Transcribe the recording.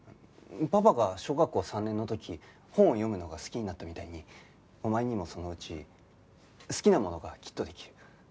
パパが小学校３年の時本を読むのが好きになったみたいにお前にもそのうち好きなものがきっとできる。